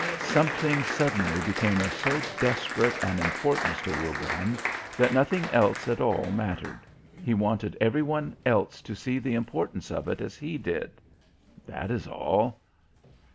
Something suddenly became of so desperate an importance to Wilbraham that nothing else at all mattered. He wanted every one else to see the importance of it as he did. That is all....